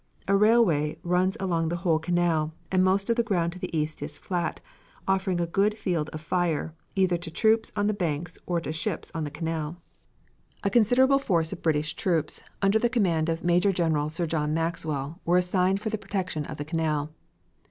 A railway runs along the whole Canal, and most of the ground to the east is flat, offering a good field of fire either to troops on the banks or to ships on the Canal. A considerable force of British troops, under the command of Major General Sir John Maxwell, were assigned for the protection of the Canal.